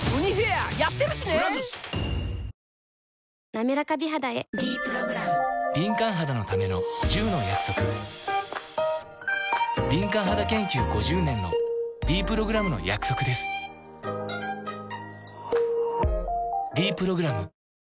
なめらか美肌へ「ｄプログラム」敏感肌研究５０年のｄプログラムの約束です「ｄプログラム」